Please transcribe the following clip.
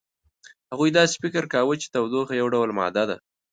هغوی داسې فکر کاوه چې تودوخه یو ډول ماده ده.